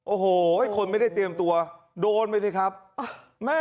โอ้โหคนไม่ได้เตรียมตัวโดนไปสิครับแม่